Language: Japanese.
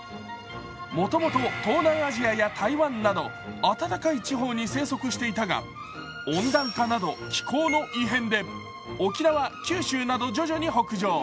もともと東南アジアや台湾など、暖かい地方に生息していたが、温暖化など気候の異変で沖縄・九州など徐々に北上。